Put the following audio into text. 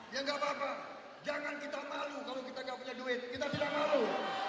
ya nggak apa apa jangan kita malu kalau kita nggak punya duit kita tidak malu